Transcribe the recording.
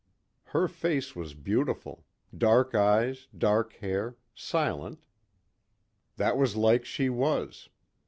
Her face was beautiful. Dark eyes, dark hair, silent, that was like she was.